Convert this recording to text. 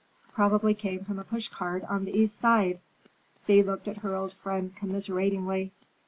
"Probably came from a push cart on the East Side." Thea looked at her old friend commiseratingly.